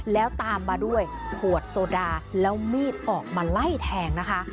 แล้วตามมาด้วยขวดโซดาแล้วมีดออกมาไล่แทงนะคะ